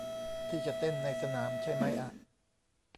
ที่จะเต้นในสนามใช่มั้ยอะ